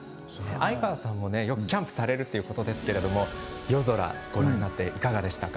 哀川さんもよくキャンプをされるということですが、夜空いかがですか？